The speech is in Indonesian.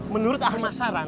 menurut ahli masyarakat